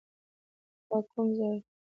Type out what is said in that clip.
هغه کوم ځای؟